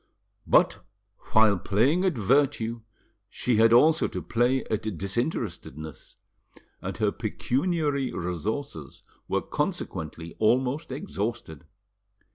But while playing at virtue she had also to play at disinterestedness, and her pecuniary resources were consequently almost exhausted.